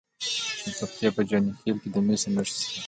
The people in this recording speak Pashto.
د پکتیا په جاني خیل کې د مسو نښې شته.